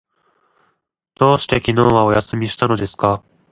どうして昨日はお休みしたのですか？